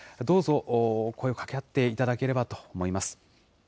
どうぞ、声をかけ合っていただければと思います。